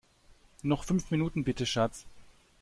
Noch fünf Minuten bitte, Schatz!